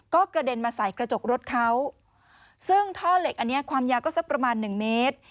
ก็กระเด็นมาใส่กระจกรถเขาซึ่งท่อเหล็กอันนี้ความยาวก็สักประมาณหนึ่งเมตร